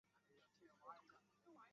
蒂朗蓬泰雅克。